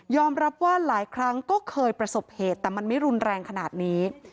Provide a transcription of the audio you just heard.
รับว่าหลายครั้งก็เคยประสบเหตุแต่มันไม่รุนแรงขนาดนี้